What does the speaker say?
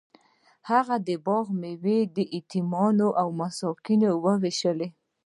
هغه د باغ میوه په یتیمانو او مسکینانو ویشله.